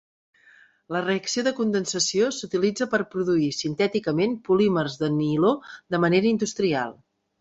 La reacció de condensació s'utilitza per produir sintèticament polímers de niló de manera industrial.